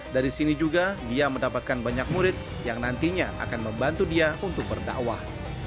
dari sini juga dia mendapatkan banyak murid yang nantinya akan membantu dia untuk berdakwah